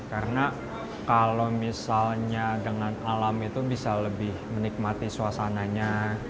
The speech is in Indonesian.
karena kalau misalnya dengan alam itu bisa lebih menikmati suasananya